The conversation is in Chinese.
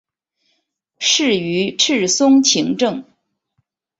仕于赤松晴政。